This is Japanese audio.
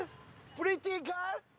プリティーガール！